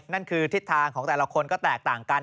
นั่นคือทิศทางของแต่ละคนก็แตกต่างกัน